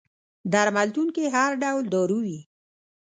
درملتون کي هر ډول دارو وي